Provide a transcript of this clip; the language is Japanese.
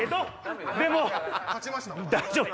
でも大丈夫！